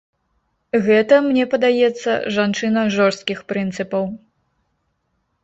Гэта, мне падаецца, жанчына жорсткіх прынцыпаў.